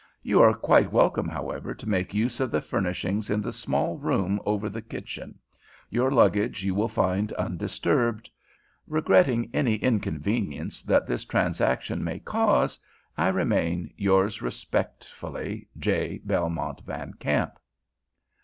You are quite welcome, however, to make use of the furnishings in the small room over the kitchen. Your luggage you will find undisturbed. Regretting any inconvenience that this transaction may cause you, I remain, Yours respectfully, J. BELMONT VAN KAMP.